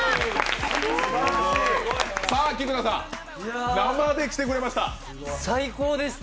菊田さん、生で来てくれました。